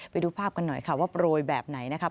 ไปดูภาพกันหน่อยค่ะว่าโปรยแบบไหนนะครับ